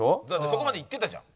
そこまでいってたじゃん。